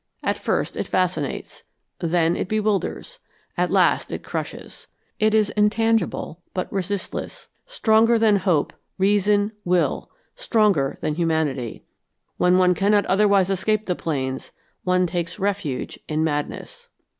At first it fascinates. Then it bewilders. At last it crushes. It is intangible but resistless; stronger than hope, reason, will stronger than humanity. When one cannot otherwise escape the plains, one takes refuge in madness."